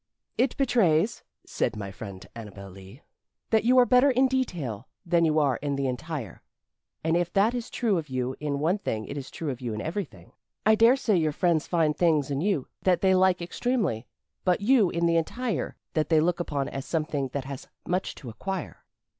"It betrays," said my friend Annabel Lee, "that you are better in detail than you are in the entire. And if that is true of you in one thing it is true of you in everything. I daresay your friends find things in you that they like extremely, but you in the entire they look upon as something that has much to acquire."